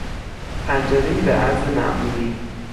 پنجرهای به عرض معمولی